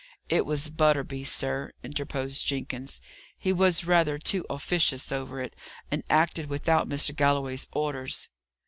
"It was Butterby, sir," interposed Jenkins. "He was rather too officious over it, and acted without Mr. Galloway's orders."